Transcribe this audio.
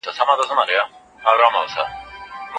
حتا د کتاب شمېرې هم سمې کاپي شوې وې.